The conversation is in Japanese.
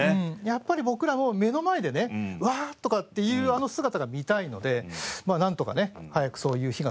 やっぱり僕らも目の前でね「うわ！」とかっていうあの姿が見たいのでまあなんとかね早くそういう日が来る事をね